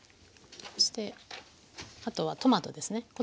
そしてあとはトマトですね。